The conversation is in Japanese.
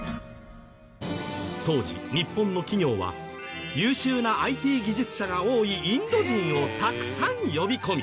当時日本の企業は優秀なＩＴ技術者が多いインド人をたくさん呼び込み。